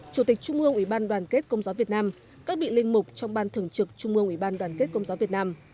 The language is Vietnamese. chủ tịch trung ương ủy ban đoàn kết công giáo việt nam các vị linh mục trong ban thường trực trung ương ủy ban đoàn kết công giáo việt nam